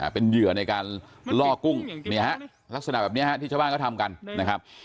เป็นเหยื่อในการล่อกุ้งเนี่ยฮะลักษณะแบบนี้ฮะที่ชาวบ้านเขาทำกันนะครับ